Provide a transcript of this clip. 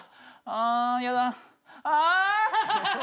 ああ！